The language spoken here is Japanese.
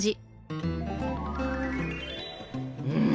うん。